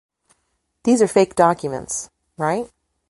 These are fake documents, right?